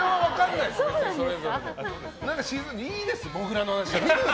いいです、もぐらの話は。